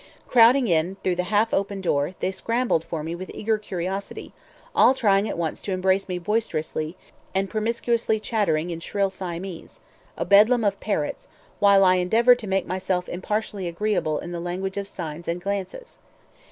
Crowding in through the half open door, they scrambled for me with eager curiosity, all trying at once to embrace me boisterously, and promiscuously chattering in shrill Siamese, a bedlam of parrots; while I endeavored to make myself impartially agreeable in the language of signs and glances.